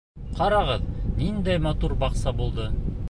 Ҡарағыҙ, ниндәй матур баҡса булды!